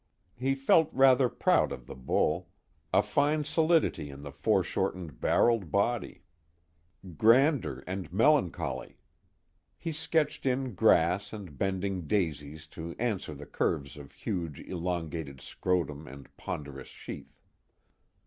He felt rather proud of the bull: a fine solidity in the foreshortened barrel body; grandeur and melancholy. He sketched in grass and bending daisies to answer the curves of huge elongated scrotum and ponderous sheath.